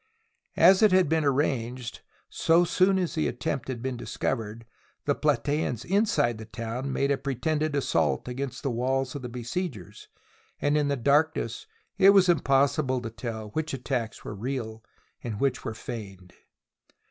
As it had been arranged, so soon as the attempt had been discovered, the Platgeans inside the town made a pretended assault against the walls of the besiegers, and in the darkness it was impossible to tell which attacks were real and which were feigned.